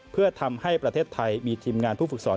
เพื่อทำให้ประเทศไทยมีทีมงานผู้ฝึกสอน